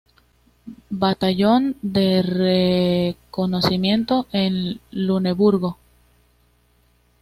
Batallón de reconocimiento en Luneburgo.